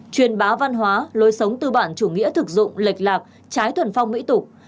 truyền bá văn hóa lôi sống tư bản chủ nghĩa thực dụng lệch lạc trái tuần phong mỹ tục